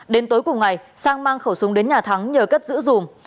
đến tối cùng ngày sang mang khẩu súng đến nhà thắng nhờ cất giữ dùm